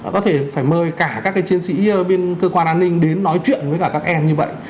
có thể phải mời cả các chiến sĩ bên cơ quan an ninh đến nói chuyện với cả các em như vậy